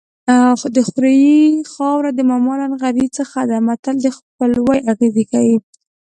د خوریي خاوره د ماما له نغري څخه ده متل د خپلوۍ اغېز ښيي